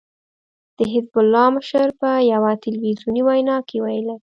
د حزب الله مشر په يوه ټلويزیوني وينا کې ويلي